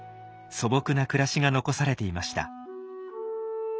素朴な暮らしが残されていました。